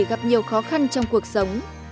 gặp nhiều khó khăn trong cuộc sống